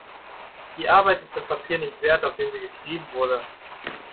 Die Arbeit ist das Papier nicht wert, auf dem sie geschrieben wurde.